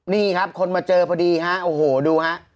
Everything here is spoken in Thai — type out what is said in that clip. นี่ครับคนมาเจอพอดีฮะโอ้โหดูฮะ